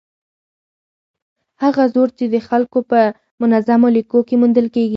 هغه زور چې د خلکو په منظمو لیکو کې موندل کېږي.